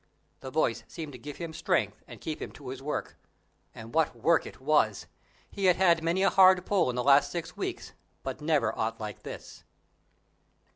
The voice seemed to give him strength and keep him to his work. And what work it was! he had had many a hard pull in the last six weeks, but never aught like this.